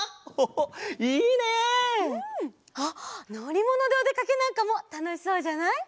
うん！あっのりものでおでかけなんかもたのしそうじゃない？